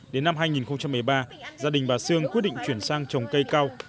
đến năm hai nghìn một mươi ba gia đình bà sương quyết định chuyển sang trồng cây cao